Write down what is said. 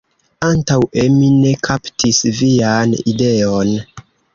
Antaŭe mi ne kaptis vian ideon.